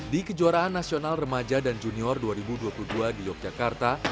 di kejuaraan nasional remaja dan junior dua ribu dua puluh dua di yogyakarta